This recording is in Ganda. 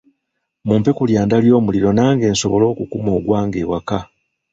Mumpe ku lyanda ly'omuliro nange nsobole okukuma ogwange ewaka.